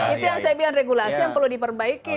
itu yang regulasi yang perlu diperbaiki